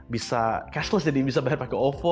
bisa cashless jadi bisa bayar pakai ovo